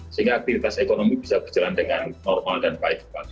sehingga aktivitas ekonomi bisa berjalan dengan normal dan baik